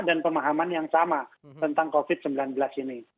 dan pemahaman yang sama tentang covid sembilan belas ini